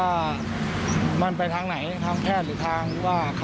แต่ว่าถ้ามุมมองในทางการรักษาก็ดีค่ะ